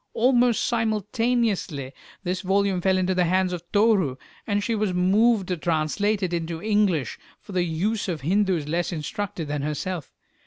Almost simultaneously this volume fell into the hands of Toru, and she was moved to translate it into English, for the use of Hindus less instructed than herself.